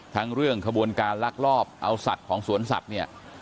ทั้งเรื่องขบวนการลักลอบเอาสัตว์ของสวนสัตว์เนี่ย